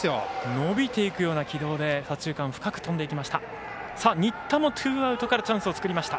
延びていくような軌道で左中間を深く飛んでいきました。